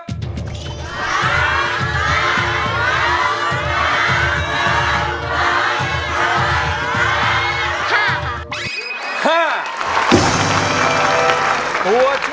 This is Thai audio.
เพลงที่๒มาเลยครับ